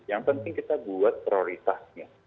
yang penting kita buat prioritasnya